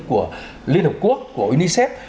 của liên hợp quốc của unicef